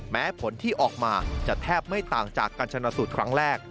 แม้ผลที่ออกมาจะแทบไม่ต่างจากการชนะสูตรครั้งแรก